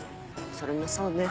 それもそうね。